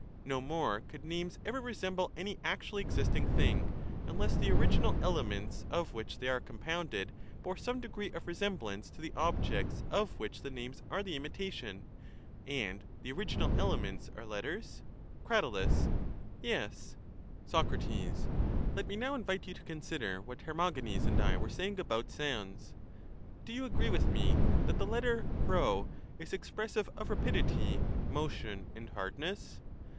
No more could names ever resemble any actually existing thing, unless the original elements of which they are compounded bore some degree of resemblance to the objects of which the names are the imitation : And the original elements are letters? Crat. Yes. Soc. Let me now invite you to consider what Hermogenes Resemblance and I were saying about sounds. Do you agree with me that the letter p is expressive of rapidity, motion, and hard ness?